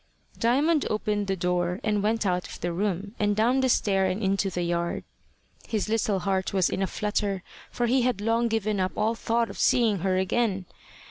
Diamond opened the door, and went out of the room, and down the stair and into the yard. His little heart was in a flutter, for he had long given up all thought of seeing her again.